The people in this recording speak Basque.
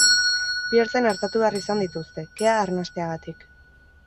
Bi ertzain artatu behar izan dituzte, kea arnasteagatik.